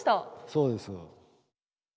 そうです。